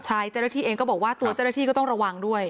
ใช่เจ้าหน้าที่เองก็บอกว่าตัวเจ้าหน้าที่ก็ต้องระวังด้วย